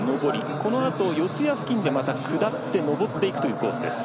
このあと四谷付近で下って上っていくというコースです。